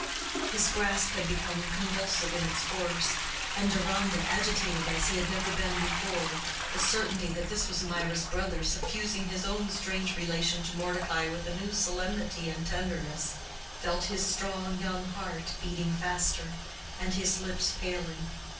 His grasp had become convulsive in its force, and Deronda, agitated as he had never been before—the certainty that this was Mirah's brother suffusing his own strange relation to Mordecai with a new solemnity and tenderness—felt his strong young heart beating faster and his lips paling.